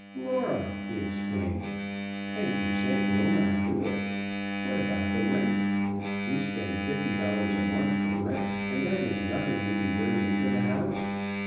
"Laura!" he exclaimed. "Ten per cent. will not do it! What about the rent? We spend fifty dollars a month for rent, and that is nothing we bring into the house.